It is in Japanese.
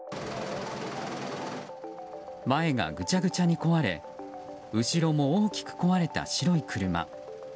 前がぐちゃぐちゃに壊れ後ろも大きく壊れた白い車。